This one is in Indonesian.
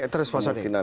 terus pak sofie